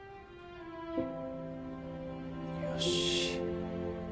よし。